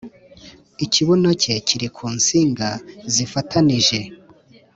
ikibuno cye kiri ku nsinga zifatanije